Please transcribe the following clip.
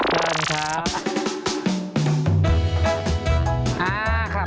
ได้ครับ